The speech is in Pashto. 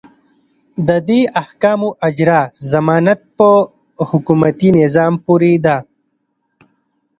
د دې احکامو اجرا ضمانت په حکومتي نظام پورې ده.